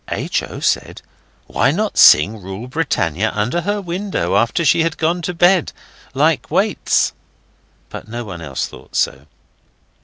H. O. said, 'Why not sing "Rule Britannia" under her window after she had gone to bed, like waits,' but no one else thought so.